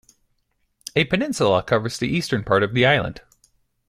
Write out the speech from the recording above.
A peninsula covers the eastern part of the island.